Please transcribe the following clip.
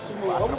kok pada peluk